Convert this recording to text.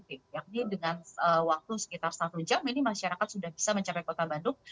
yakni dengan waktu sekitar satu jam ini masyarakat sudah bisa mencapai kota bandung